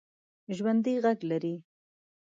ژوندي غږ لري